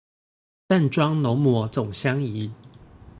淡妝濃抹總相宜